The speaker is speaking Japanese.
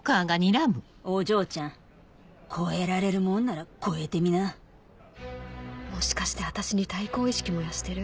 お嬢ちゃん超えられるもんなら超えてみなもしかして私に対抗意識燃やしてる？